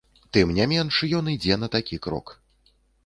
І тым не менш, ён ідзе на такі крок.